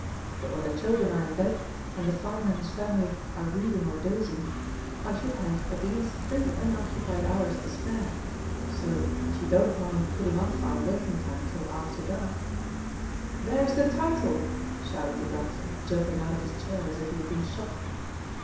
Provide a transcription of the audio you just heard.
But when the children are in bed, and the farmer and his family are reading or dozing, I should have at least three unoccupied hours to spare. So, if you don't mind putting off our working time till after dark " "There's the title!" shouted the doctor, jumping out of his chair as if he had been shot.